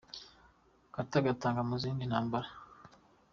Kata Katanga mu zindi ntambara